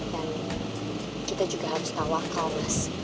dan kita juga harus tawakal